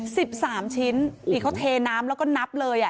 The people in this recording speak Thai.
สิบสามชิ้นนี่เขาเทน้ำแล้วก็นับเลยอ่ะ